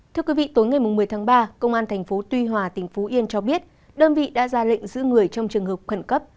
tối ngày một mươi tháng ba công an tp tuy hòa tỉnh phú yên cho biết đơn vị đã ra lệnh giữ người trong trường hợp khẩn cấp